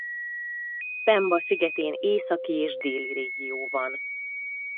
Pemba szigetén északi és déli régió van.